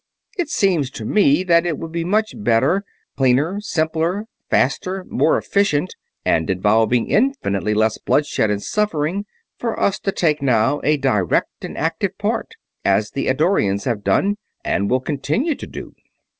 It seems to me that it would be much better cleaner, simpler, faster, more efficient, and involving infinitely less bloodshed and suffering for us to take now a direct and active part, as the Eddorians have done and will continue to do."